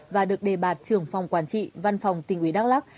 và được đề bạt trưởng phòng quản trị văn phòng tỉnh ủy đắk lắc